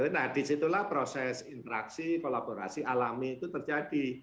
nah disitulah proses interaksi kolaborasi alami itu terjadi